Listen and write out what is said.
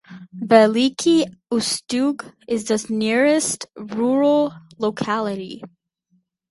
Veliky Ustyug is the nearest rural locality.